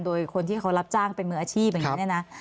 โดยคนที่เขารับจ้างเป็นมืออาชีพอย่างนี้เนี่ยนะ